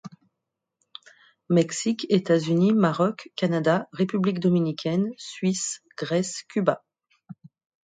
Mexique, États-Unis, Maroc, Canada, République Dominicaine, Suisse, Grèce, Cuba.